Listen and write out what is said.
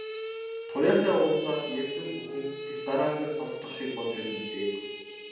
Туяатай уулзаад ярьсан бүхэн дэс дараалан сонстох шиг болж байсан билээ.